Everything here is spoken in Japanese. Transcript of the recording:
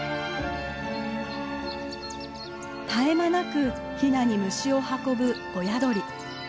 絶え間なくヒナに虫を運ぶ親鳥。